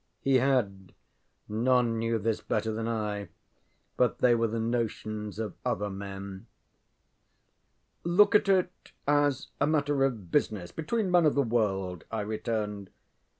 ŌĆØ He had none knew this better than I but they were the notions of other men. ŌĆ£Look at it as a matter of business between men of the world, ŌĆØ I returned.